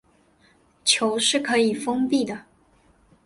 球可以是封闭的。